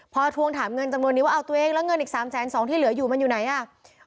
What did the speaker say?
พอทวงถามเงินจำนวนนี้ว่าเอาตัวเองแล้วเงินอีก๓๒๐๐ที่เหลืออยู่มันอยู่ไหนอ่ะ